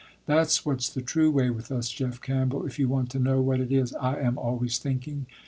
That's what's the true way with us Jeff Campbell, if you want to know what it is I am always thinking."